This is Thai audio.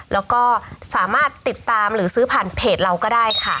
แล้วก็สามารถติดตามหรือซื้อผ่านเพจเราก็ได้ค่ะ